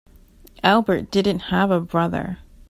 Albert didn't have a brother.